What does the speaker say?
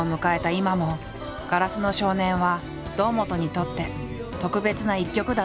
今も「硝子の少年」は堂本にとって特別な一曲だという。